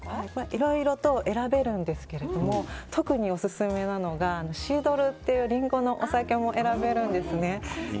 いろいろと選べるんですけれども特にオススメなのがシードルというリンゴのお酒も選べるんですね。